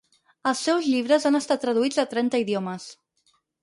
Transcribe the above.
Els seus llibres han estat traduïts a trenta idiomes.